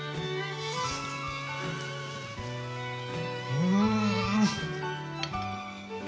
うん！